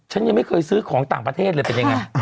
ฉันยังไม่เคยซื้อของต่างประเทศเลยเป็นยังไง